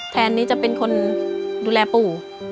แทนนี้จะเป็นคนดูแลปู่